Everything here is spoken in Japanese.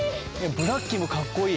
ブラッキーもかっこいい。